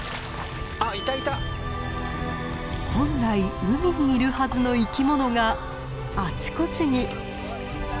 本来海にいるはずの生き物があちこちに。